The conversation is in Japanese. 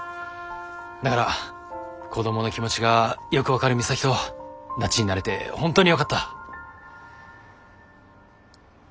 だから子どもの気持ちがよく分かる美咲とダチになれて本当によかった。